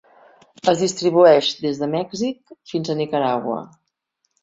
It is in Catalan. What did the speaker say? Es distribueix des de Mèxic fins a Nicaragua.